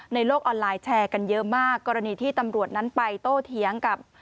โลกออนไลน์แชร์กันเยอะมากกรณีที่ตำรวจนั้นไปโต้เถียงกับ